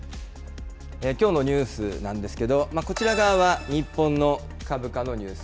きょうのニュースなんですけど、こちら側は日本の株価のニュース。